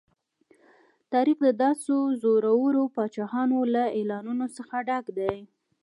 تاریخ د داسې زورورو پاچاهانو له اعلانونو څخه ډک دی.